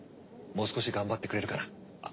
もう少し頑張ってくれるかな？